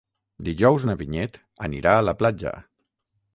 Dijous na Vinyet anirà a la platja.